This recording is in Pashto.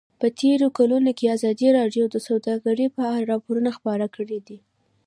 په تېرو کلونو کې ازادي راډیو د سوداګري په اړه راپورونه خپاره کړي دي.